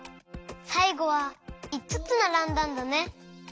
さいごはいつつならんだんだね。